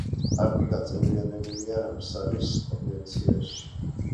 პარკი გაწევრიანებულია რამსარის კონვენციაში.